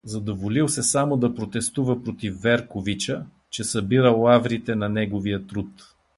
Задоволил се е само да протестува против Верковича, че събирал лаврите на неговия труд!